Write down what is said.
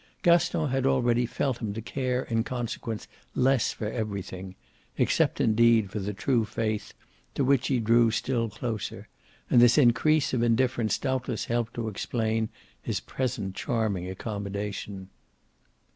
Gaston had already felt him to care in consequence less for everything except indeed for the true faith, to which he drew still closer and this increase of indifference doubtless helped to explain his present charming accommodation.